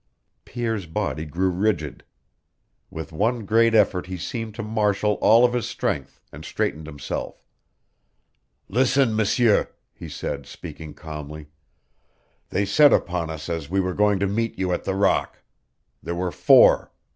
Pierre's body grew rigid. With one great effort he seemed to marshal all of his strength, and straightened himself. "Listen, M'sieur," he said, speaking calmly. "They set upon us as we were going to meet you at the rock. There were four.